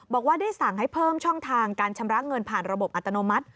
บอกว่าได้สั่งให้เพิ่มช่องทางการชำระเงินผ่านระบบอัตโนมัติ